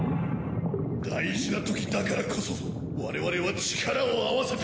大事なときだからこそ我々は力を合わせて。